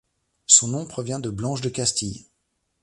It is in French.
Son nom provient de Blanche de Castille.